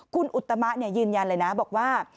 คุณอุตมะยืนยันเลยนะบอกว่า